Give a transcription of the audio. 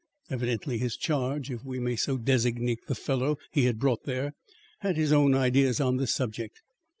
Evidently his charge, if we may so designate the fellow he had brought there, had his own ideas on this subject.